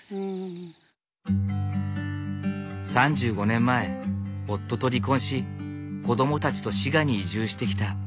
３５年前夫と離婚し子どもたちと滋賀に移住してきた岩田さん。